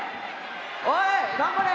おい頑張れ！